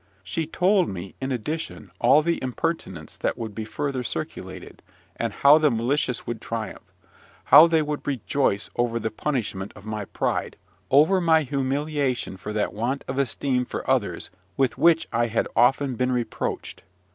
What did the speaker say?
She told me, in addition, all the impertinence that would be further circulated, and how the malicious would triumph; how they would rejoice over the punishment of my pride, over my humiliation for that want of esteem for others with which I had often been reproached.